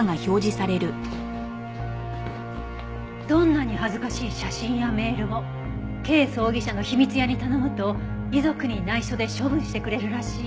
「どんなに恥ずかしい写真やメールもＫ葬儀社の“秘密屋”に頼むと遺族に内緒で処分してくれるらしい」